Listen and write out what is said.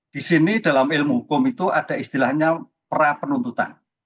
di sini dalam ilmu hukum itu ada istilahnya pra penuntutan